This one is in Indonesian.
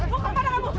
bukan para ramu